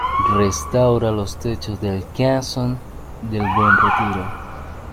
Restaura los techos del Casón del Buen Retiro.